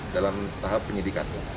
dalam tahap penyidikan